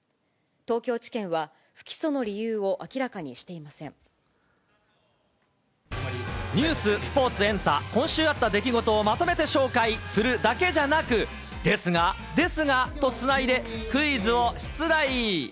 東京地検は不起訴の理由を明らかニュース、スポーツ、エンタ、今週あった出来事をまとめて紹介するだけじゃなく、ですが、ですがとつないで、クイズを出題。